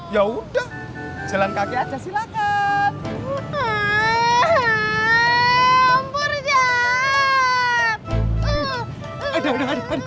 ya udah jalan kaki aja silahkan